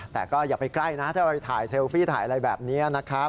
แต่ก็อย่าไปใกล้นะถ้าไปถ่ายเซลฟี่ถ่ายอะไรแบบนี้นะครับ